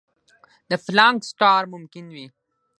د پلانک سټار ممکن وي.